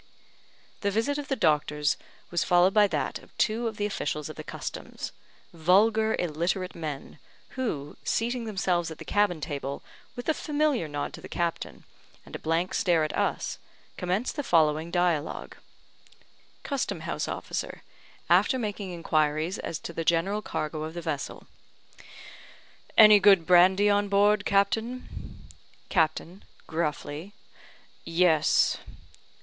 The visit of the doctors was followed by that of two of the officials of the Customs vulgar, illiterate men, who, seating themselves at the cabin table, with a familiar nod to the captain, and a blank stare at us, commenced the following dialogue: Custom house officer (after making inquiries as to the general cargo of the vessel): "Any good brandy on board, captain?" Captain (gruffly): "Yes."